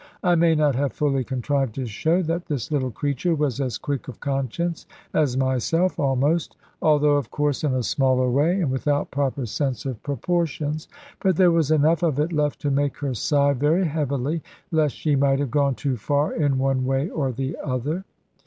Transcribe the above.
I may not have fully contrived to show that this little creature was as quick of conscience as myself almost; although, of course, in a smaller way, and without proper sense of proportions. But there was enough of it left to make her sigh very heavily, lest she might have gone too far in one way or the other.